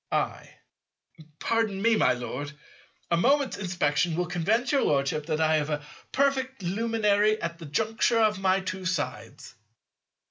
I. Pardon me, my Lord, a moment's inspection will convince your Lordship that I have a perfectly luminary at the juncture of my two sides.